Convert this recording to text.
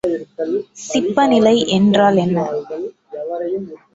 சிப்பநிலை என்றால் என்ன?